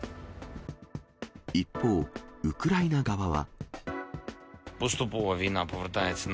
一方、ウクライナ側は。